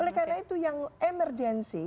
oleh karena itu yang emergensi